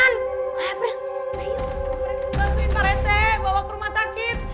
bantuin pak retek bawa ke rumah sakit